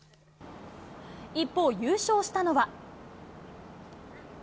一方、優勝したのは。